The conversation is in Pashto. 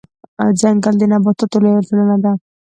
ځنګل د نباتاتو لويه ټولنه ده